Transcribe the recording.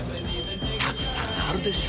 たくさんあるでしょ？